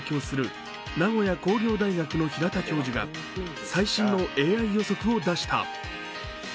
数名古屋工業大学の平田教授が最新のＡＩ予測を出した。